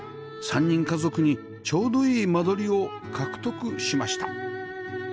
３人家族にちょうどいい間取りを獲得しました